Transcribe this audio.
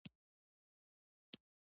چې ځان وویني په ما کې ورک سړیه راشه، راشه